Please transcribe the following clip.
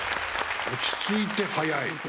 落ち着いて早い。